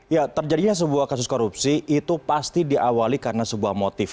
ya terjadinya sebuah kasus korupsi itu pasti diawali karena sebuah motif